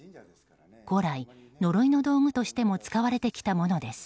古来、呪いの道具としても使われてきたものです。